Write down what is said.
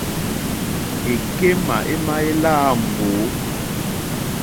Èkémà émá èláǃá mbǒ.